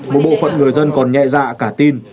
một bộ phận người dân còn nhẹ dạ cả tin